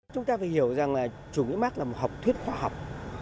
chúng ta phải hiểu rằng là chủ nghĩa mark là một học thuyết khoa học